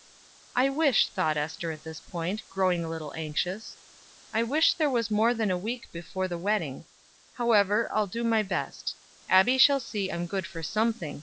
"I wish," thought Ester at this point, growing a little anxious, "I wish there was more than a week before the wedding; however I'll do my best. Abbie shall see I'm good for something.